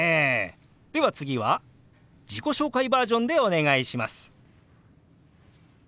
では次は自己紹介バージョンでお願いします。